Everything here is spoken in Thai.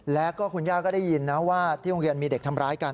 แล้วก็คุณย่าก็ได้ยินนะว่าที่โรงเรียนมีเด็กทำร้ายกัน